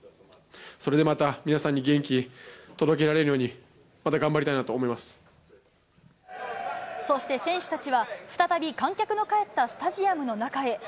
それでまた皆さんに元気、届けられるように、また頑張りたいなとそして選手たちは、再び、観客の帰ったスタジアムの中へ。